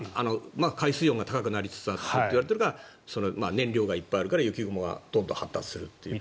海水温が高くなりつつあるといわれているから燃料がいっぱいあるから雪雲がどんどん発達するという。